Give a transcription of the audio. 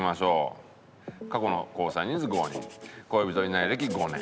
「過去の交際人数５人」「恋人いない歴５年」